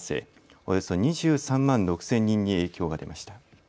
およそ２３万６０００人に影響が出ました。